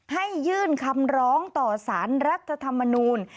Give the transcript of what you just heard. ยื่นคำร้องต่อสารรัฐธรรมนูล